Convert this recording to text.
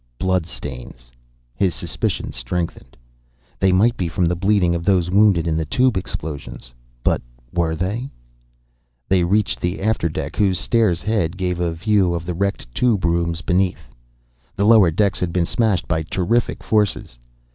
Blood stains! His suspicions strengthened. They might be from the bleeding of those wounded in the tube explosions. But were they? They reached the after deck whose stair's head gave a view of the wrecked tube rooms beneath. The lower decks had been smashed by terrific forces.